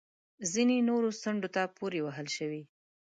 ځینې نورې څنډې ته پورې وهل شوې